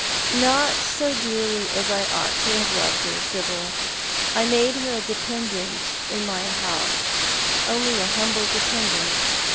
" Not so dearly as I ought to have loved her, Sibyl. I made her a dependent in my house — only a humble dependent.